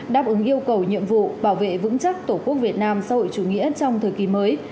đáp ứng yêu cầu nhiệm vụ bảo vệ vững chắc tổ quốc việt nam xã hội chủ nghĩa trong thời kỳ mới